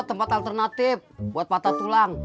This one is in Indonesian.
tempat alternatif buat patah tulang